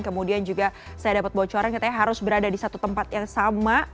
kemudian juga saya dapat bocoran katanya harus berada di satu tempat yang sama